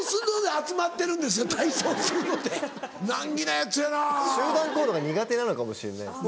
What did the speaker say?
集団行動が苦手なのかもしれないですね。